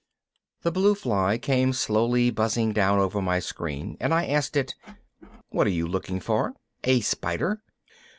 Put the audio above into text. The blue fly came slowly buzzing down over my screen and I asked it, "What are you looking for? A spider?"